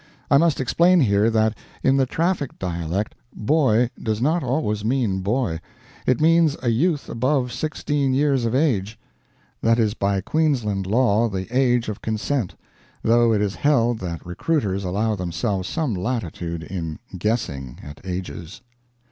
I must explain, here, that in the traffic dialect, "boy" does not always mean boy; it means a youth above sixteen years of age. That is by Queensland law the age of consent, though it is held that recruiters allow themselves some latitude in guessing at ages.